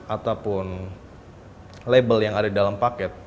ataupun label yang ada di dalam paket